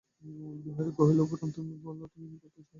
বিহারী কহিল, বোঠান, তুমিই বলো, তুমি কী করিতে চাও।